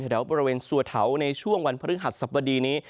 แถวบริเวณสัวเถาในช่วงวันพฤหัสสบดีนี้